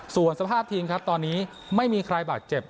ส่วนสภาพทีมครับตอนนี้ไม่มีใครบาดเจ็บ